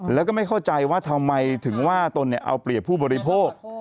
แล้วก็ไม่เข้าใจว่าทำไมถึงว่าตนเอาเปรียบผู้บริโภค